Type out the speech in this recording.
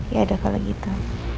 ya udah kalau gitu